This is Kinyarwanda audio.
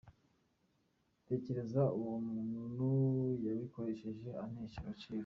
Tekereza ko uwo muntu yabikoresheje antesha agaciro”.